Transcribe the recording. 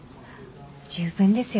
十分ですよ